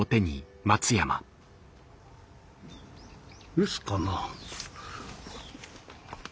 留守かな。